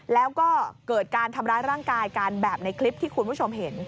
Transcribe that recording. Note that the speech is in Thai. แล้วก็เกิดการทำร้ายร่างกายกันแบบในคลิปที่คุณผู้ชมเห็น